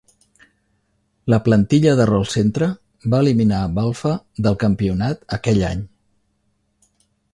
La plantilla de Rollcentre va eliminar Balfe del campionat aquell any.